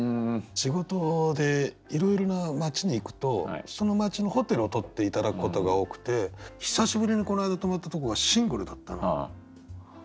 仕事でいろいろな町に行くとその町のホテルをとって頂くことが多くて久しぶりにこの間泊まったとこがシングルだったの。